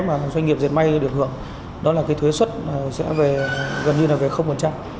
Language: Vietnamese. các doanh nghiệp diệt may được hưởng là thuế xuất gần như